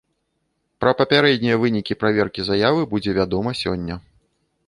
Пра папярэднія вынікі праверкі заявы будзе вядома сёння.